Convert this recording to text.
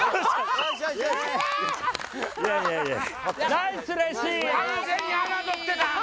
ナイスレシーブ！